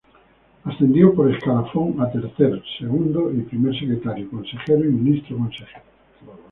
Ascendió por escalafón a Tercer, Segundo y Primer Secretario; Consejero y Ministro Consejero.